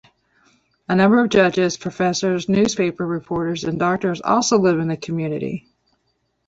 A number of judges, professors, newspaper reporters, and doctors also live in the community.